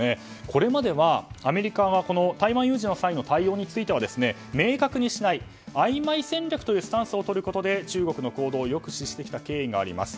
これまではアメリカは台湾有事の際の対応については、明確にしないあいまい戦略というスタンスをとることで中国の行動を抑止してきた経緯があります。